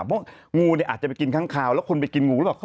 เพราะงูเนี่ยอาจจะไปกินค้างคาวแล้วคุณไปกินงูหรือเปล่า